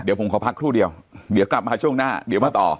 เดี๋ยวผมขอพักครู่เดียวเดี๋ยวกลับมาช่วงหน้าเดี๋ยวมาต่อ